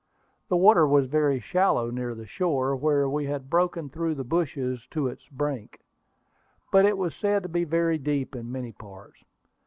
The water was very shallow near the shore, where we had broken through the bushes to its brink; but it was said to be very deep in many parts.